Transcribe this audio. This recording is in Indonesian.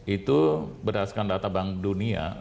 itu berdasarkan data bank dunia